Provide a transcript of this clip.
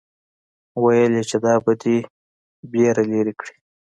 ويل يې چې دا به دې وېره لري کړي.